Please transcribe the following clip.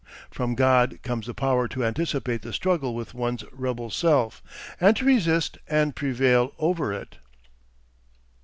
From God comes the power to anticipate the struggle with one's rebel self, and to resist and prevail over it.